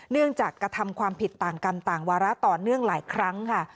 เนื่องจากกระทำความผิดต่างกันต่างวาระต่อเนื่องหลายครั้งค่ะ